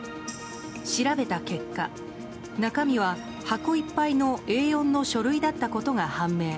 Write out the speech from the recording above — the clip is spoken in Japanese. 調べた結果、中身は箱いっぱいのＡ４の書類だったことが判明。